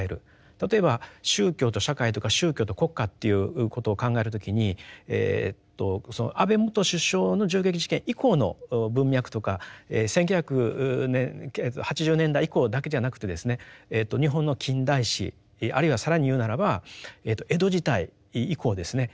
例えば宗教と社会とか宗教と国家っていうことを考える時に安倍元首相の銃撃事件以降の文脈とか１９８０年代以降だけじゃなくてですね日本の近代史あるいは更に言うならば江戸時代以降ですね